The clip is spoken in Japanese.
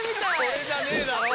これじゃねえだろ。